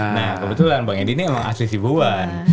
nah kebetulan bang edi ini emang asli sibuan